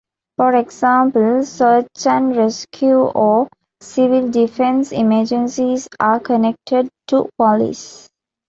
For example, search and rescue or civil defence emergencies are connected to police.